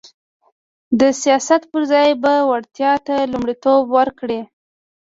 د سیاست پر ځای به وړتیا ته لومړیتوب ورکړي